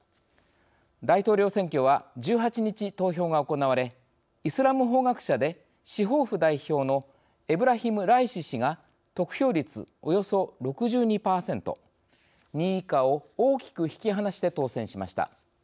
大統領選挙は１８日、投票が行われイスラム法学者で司法府代表のエブラヒム・ライシ師が得票率およそ６２％２位以下を大きく引き離して当選しました。